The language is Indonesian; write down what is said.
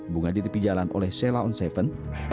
bunga di tepi jalan oleh cella on seven